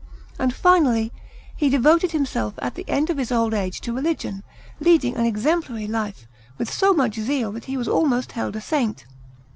And finally, he devoted himself at the end of his old age to religion, leading an exemplary life, with so much zeal that he was almost held a saint.